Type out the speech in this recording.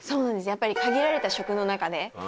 やっぱり限られた食の中で。